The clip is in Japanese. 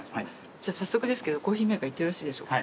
じゃあ早速ですけどコーヒーメーカーいってよろしいでしょうか。